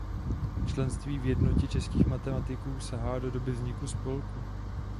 Členství v Jednotě českých matematiků sahá do doby vzniku spolku.